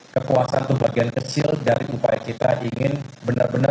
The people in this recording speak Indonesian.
kekuasaan itu bagian kecil dari upaya kita ingin benar benar